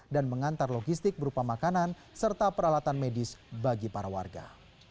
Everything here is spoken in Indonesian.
dan mengantar logistik berupa makanan serta peralatan medis bagi para warga